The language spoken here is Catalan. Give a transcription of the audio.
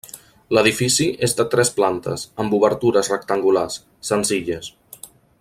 L’edifici és de tres plantes, amb obertures rectangulars, senzilles.